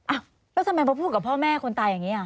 แล้วทำไมมาพูดกับพ่อแม่คนตายอย่างนี้